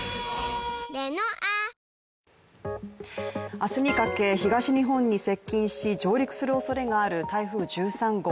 明日にかけ東日本に接近し、上陸するおそれがある台風１３号。